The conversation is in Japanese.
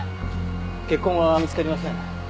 血痕は見つかりません。